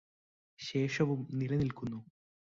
ശേഷവും നിലനില്ക്കുന്നു